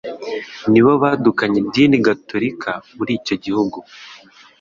ni bo badukanye idini Gatolika muri icyo gihugu.